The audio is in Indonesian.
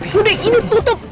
tuh deh ini tutup